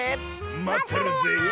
まってるぜえ。